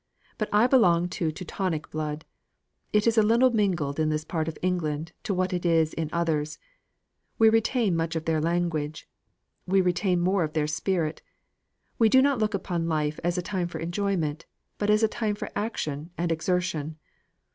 But I belong to Teutonic blood; it is little mingled in this part of England to what it is in others; we retain much of their language; we retain more of their spirit; we do not look upon life as a time for enjoyment, but as a time for action and exertion.